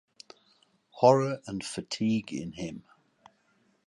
Horror and fatigue in him.